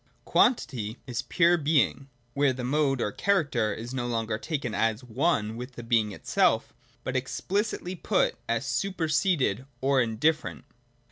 99. J Quantity is pure being, where the mode or character is no longer taken as one with the being itself, but explicitly put as superseded or indifferent.